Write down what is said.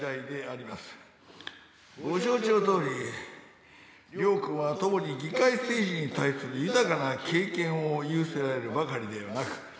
ご承知のとおり、両君はともに議会政治に対する経験を有せられるばかりでなく。